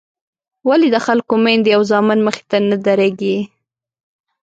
ولې د خلکو میندې او زامن مخې ته نه درېږي.